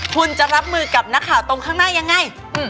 คุณจะรับมือกับนักข่าวตรงข้างหน้ายังไง